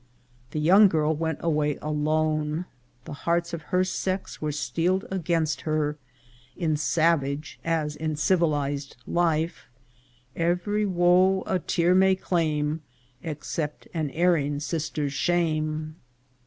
The young girl went away alone ; the hearts of her sex were steeled against her ; in savage as in civilized life, " Every wo a tear may claim, Except an erring sister's shame."